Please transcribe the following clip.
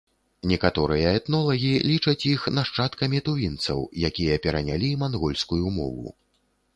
Некаторыя этнолагі лічаць іх нашчадкамі тувінцаў, якія перанялі мангольскую мову.